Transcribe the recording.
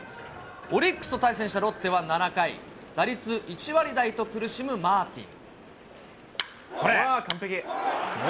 オリックスと対戦したロッテは７回、打率１割台と苦しむマーティン。